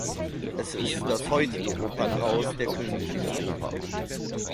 Es ist das heutige Opernhaus der Königlichen Oper.